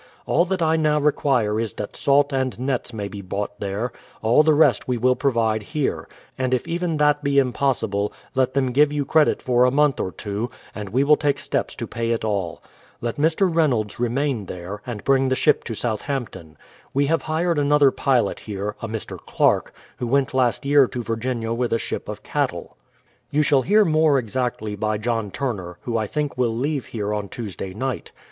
All that I now require is that salt and nets may be bought there, — all the rest we will provide here ; and if even that be impossible, let them give you credit for a month or two, and we will take steps to pay it all. Let Mr. Reynolds remain there, and bring the ship to Southampton. We have hired another pilot here, a Mr. Clark, who went last year to Virginia with a ship of cattle. You shall hear more exactly by John Turner, who I think will leave here on Tuesday night.